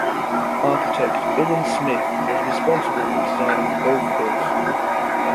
Architect Orrin Smith was responsible for designing the golf course.